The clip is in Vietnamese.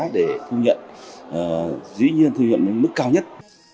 để thu nhận dĩ nhiên thu nhận đến mức cao nhất